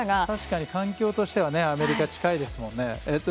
確かに環境としてはアメリカ近いですもんね。